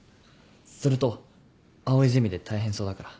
それと藍井ゼミで大変そうだから。